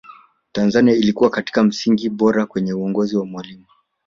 tanzania ilikuwa katika misingi bora kwenye uongozi wa mwalimu